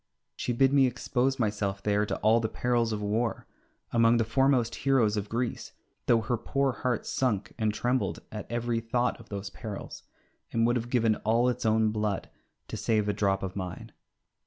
She bid me expose myself there to all the perils of war among the foremost heroes of Greece, though her poor heart sunk and trembled at every thought of those perils, and would have given all its own blood to save a drop of mine.